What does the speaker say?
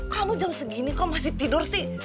kamu jam segini kok masih tidur sih